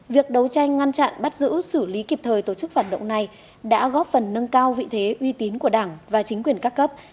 việc đấu tranh ngăn chặn bắt giữ xử lý kịp thời tổ chức phản động này đã góp phần nâng cao vị thế uy tín của đảng và chính quyền các cấp